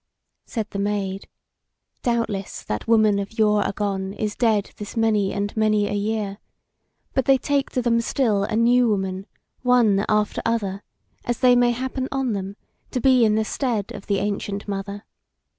Said the Maid: "Doubtless that woman of yore agone is dead this many and many a year; but they take to them still a new woman, one after other, as they may happen on them, to be in the stead of the Ancient Mother.